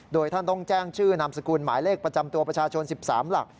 โดยท่านต้องแจ้งชื่อนามสกุลหมายเลขประจำตัวประชาชน๑๓หลัก